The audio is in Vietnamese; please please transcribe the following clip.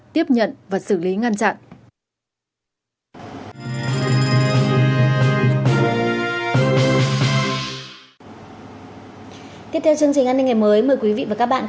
tiếp nhận vật xử lý ngăn chặn